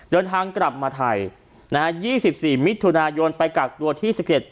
เดินทางกลับมาไทยนะฮะยี่สิบสี่มิตรธุนายนไปกักตัวที่สิบเอ็ด